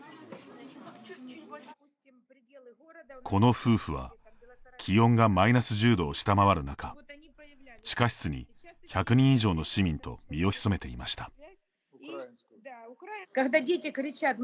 この夫婦は、気温がマイナス１０度を下回る中地下室に１００人以上の市民と身を潜めていました。